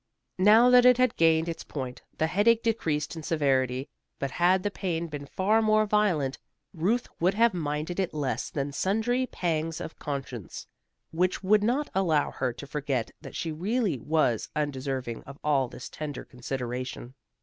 Now that it had gained its point, the headache decreased in severity, but had the pain been far more violent, Ruth would have minded it less than sundry pangs of conscience which would not allow her to forget that she really was undeserving of all this tender consideration.